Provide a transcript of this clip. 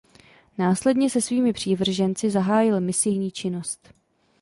Následně se svými přívrženci zahájil misijní činnost.